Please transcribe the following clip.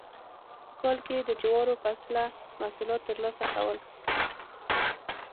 په کال کې یې د جوارو فصله محصولات ترلاسه کول.